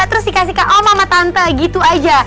terus dikasih ke alma sama tante gitu aja